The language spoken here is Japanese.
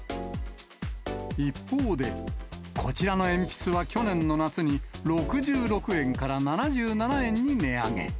一方で、こちらの鉛筆は去年の夏に、６６円から７７円に値上げ。